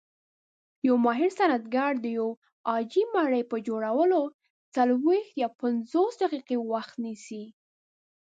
یو ماهر صنعتګر د یوې عاجي مرۍ په جوړولو څلويښت - پنځوس دقیقې وخت نیسي.